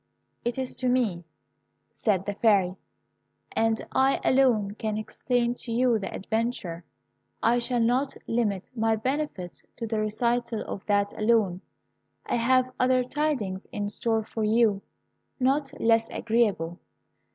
"It is to me," said the Fairy; "and I alone can explain to you the adventure. I shall not limit my benefits to the recital of that alone. I have other tidings in store for you, not less agreeable.